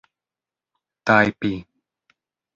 tajpi